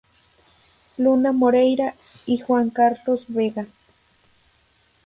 Luna Moreira, y Juan Carlos Vega.